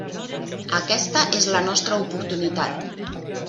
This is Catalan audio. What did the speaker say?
Aquesta és la nostra oportunitat.